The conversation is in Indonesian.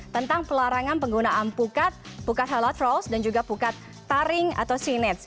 tentang pelarangan penggunaan pukat pukat halat raus dan juga pukat taring atau sinets